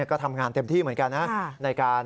ก็ทำงานเต็มที่เหมือนกันนะ